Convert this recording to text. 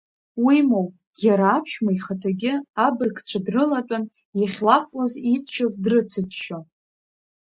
Уимоу, иара аԥшәма ихаҭагьы абыргцәа дрылатәан, иахьлафуаз иччоз дрыцыччо.